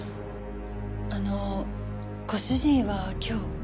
あのご主人は今日？